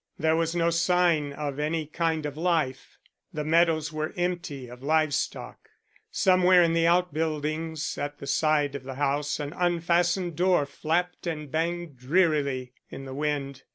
There was no sign of any kind of life; the meadows were empty of live stock. Somewhere in the outbuildings at the side of the house an unfastened door flapped and banged drearily in the wind.